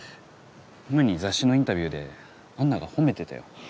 前に雑誌のインタビューで安奈が褒めてたよ。